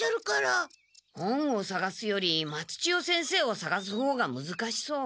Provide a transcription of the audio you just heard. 本をさがすより松千代先生をさがすほうがむずかしそう。